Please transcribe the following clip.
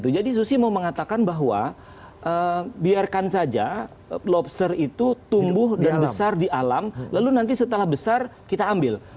jadi susi mau mengatakan bahwa biarkan saja lobster itu tumbuh dan besar di alam lalu nanti setelah besar kita ambil